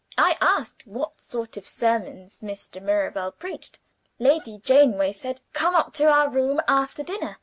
I asked what sort of sermons Mr. Mirabel preached. Lady Janeaway said: 'Come up to our room after dinner.